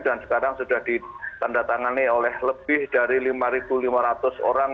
dan sekarang sudah ditandatangani oleh lebih dari lima lima ratus orang